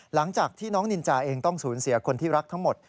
หลังจากที่น้องนินจาเองต้องสูญเสียคนที่รักทั้งหมด